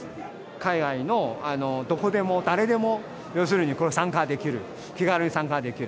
海外のどこでも、誰でも要するに参加できる、気軽に参加できる。